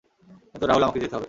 কিন্তু রাহুল আমাকে যেতে হবে।